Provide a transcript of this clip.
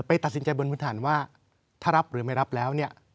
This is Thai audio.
ตัดสินใจบนพื้นฐานว่าถ้ารับหรือไม่รับแล้วเนี่ย